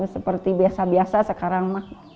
seperti biasa biasa sekarang